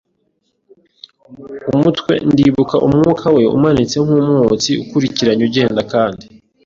umutwe. Ndibuka umwuka we umanitse nk'umwotsi akurikiranye agenda, kandi